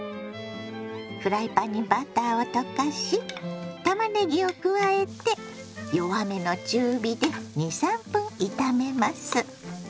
フライパンにバターを溶かしたまねぎを加えて弱めの中火で２３分炒めます。